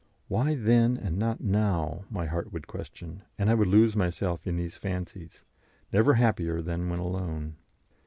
"Why then and not now?" my heart would question, and I would lose myself in these fancies, never happier than when alone.